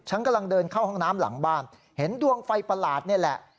กำลังเดินเข้าห้องน้ำหลังบ้านเห็นดวงไฟประหลาดนี่แหละ